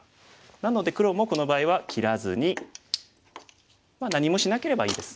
なので黒もこの場合は切らずにまあ何もしなければいいです。